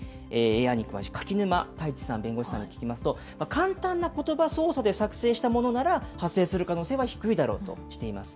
ＡＩに詳しい柿沼太一弁護士さんに聞きますと、簡単なことば、操作で作成したものなら、発生する可能性は低いだろうとしています。